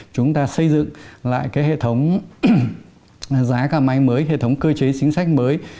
chúng ta xây dựng lại cái hệ thống giá cả máy mới hệ thống cơ chế chính sách mới